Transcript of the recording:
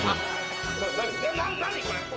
何これ！？